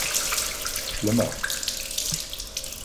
Schlimmer.